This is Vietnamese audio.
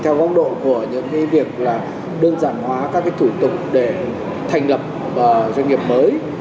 theo góc độ của những việc là đơn giản hóa các thủ tục để thành lập doanh nghiệp mới